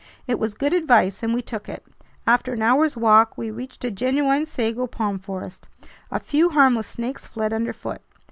It was good advice and we took it. After an hour's walk we reached a genuine sago palm forest. A few harmless snakes fled underfoot.